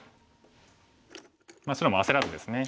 白も焦らずですね。